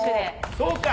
そうか。